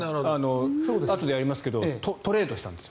あとでやりますがトレードしたんです。